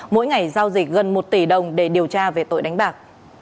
mỗi ngày giao dịch gần một tỷ đồng để điều tra về tội đánh bạc